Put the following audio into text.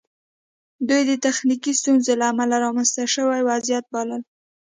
دوی د تخنیکي ستونزو له امله رامنځته شوی وضعیت بلل